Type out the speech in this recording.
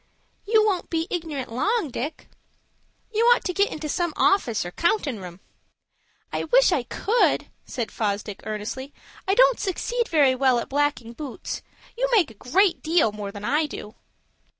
"You won't be ignorant long, Dick." "You'd ought to get into some office or countin' room." "I wish I could," said Fosdick, earnestly. "I don't succeed very well at blacking boots. You make a great deal more than I do."